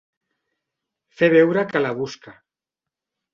Fer veure que la busca.